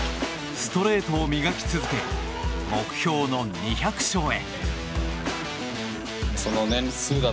ストレートを磨き続け目標の２００勝へ。